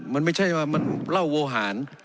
มันไม่ใช่ว่ามันเหล้าโวหาร